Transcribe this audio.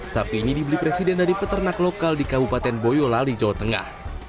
sapi ini dibeli presiden dari peternak lokal di kabupaten boyolali jawa tengah